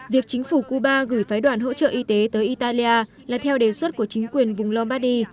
việc chính phủ cuba gửi phái đoàn hỗ trợ y tế tới italia là theo đề xuất của chính quyền vùng lombardi